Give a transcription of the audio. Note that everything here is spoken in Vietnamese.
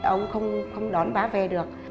ông không đón bà về được